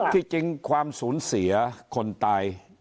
ที่จริงความสูญเสียคนตาย